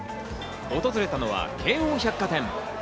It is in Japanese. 訪れたのは京王百貨店。